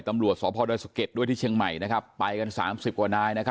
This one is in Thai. ตำรวจสอบภอดรสเก็ตด้วยที่เชียงใหม่นะครับไปกันสามสิบกว่านายนะครับ